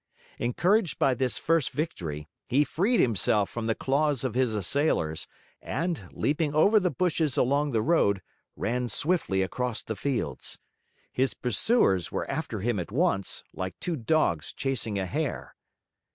Encouraged by this first victory, he freed himself from the claws of his assailers and, leaping over the bushes along the road, ran swiftly across the fields. His pursuers were after him at once, like two dogs chasing a hare.